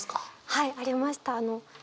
はいありました。